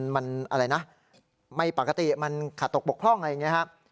มันไม่ปกติมันขาดตกบกพร่องอะไรอย่างนี้